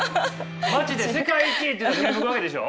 町で「世界一！」って言われたら振り向くわけでしょ。